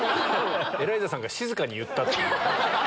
エライザさんが静かに言ったっていう。